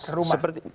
harusnya cek rumah